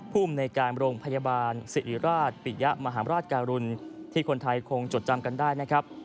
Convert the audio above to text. ภูมิในการโรงพยาบาลสิริราชปิยะมหาราชการุณที่คนไทยคงจดจำกันได้นะครับ